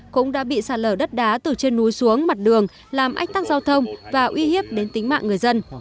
cũng đã bị sạt lở đất đá từ trên núi xuống mặt đường làm ách tắc giao thông và uy hiếp đến tính mạng người dân